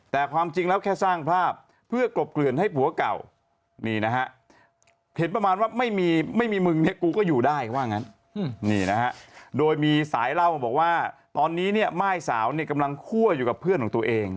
แต่ความจริงแล้วแค่สร้างภาพเพื่อกบเกลือนให้ผัวเก่า